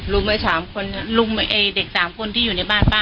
แล้วเขาก็รุมเด็กสามคนที่อยู่ในบ้านป้า